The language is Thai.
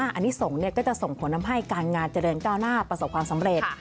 อันนี้ส่งก็จะส่งผลทำให้การงานเจริญก้าวหน้าประสบความสำเร็จ